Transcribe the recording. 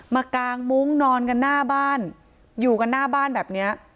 กางมุ้งนอนกันหน้าบ้านอยู่กันหน้าบ้านแบบเนี้ย